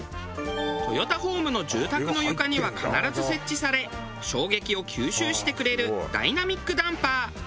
トヨタホームの住宅の床には必ず設置され衝撃を吸収してくれるダイナミックダンパー。